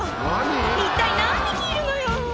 一体何匹いるのよ！